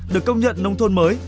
được công nhận nông thôn mới